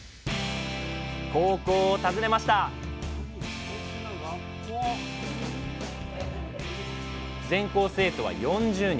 高校を訪ねました全校生徒は４０人。